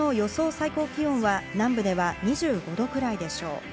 最高気温は南部では２５度くらいでしょう。